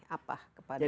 apa yang terjadi ini